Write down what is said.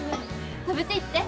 食べていって！